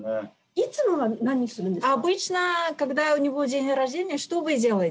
いつもは何するんですか？